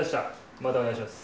またお願いします。